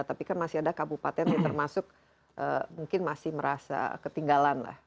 tapi kan masih ada kabupaten yang termasuk mungkin masih merasa ketinggalan lah